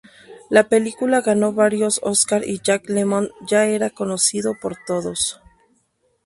La película ganó varios Oscar y Jack Lemmon ya era conocido por todos.